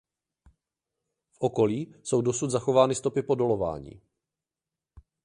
V okolí jsou dosud zachovány stopy po dolování.